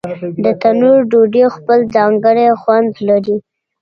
د تنور ډوډۍ خپل ځانګړی خوند لري.